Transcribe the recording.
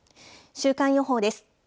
週間予報です。